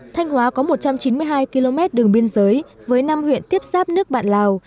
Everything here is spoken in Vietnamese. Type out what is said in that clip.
thanh hóa có một trăm chín mươi hai km đường biên giới với năm huyện tiếp giáp nước bạn lào